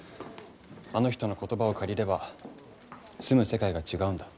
あの人の言葉を借りれば住む世界が違うんだ。